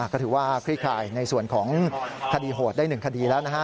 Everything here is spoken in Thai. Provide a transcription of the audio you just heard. ก็ถือว่าคลี่คลายในส่วนของคดีโหดได้๑คดีแล้วนะฮะ